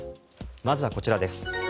まずはこちらです。